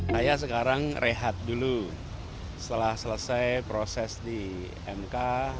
saya sekarang rehat dulu setelah selesai proses di mk